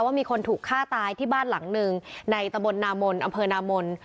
ว่ามีคนถูกฆ่าตายที่บ้านหลังหนึ่งในตะบลนามนอำเภอนามน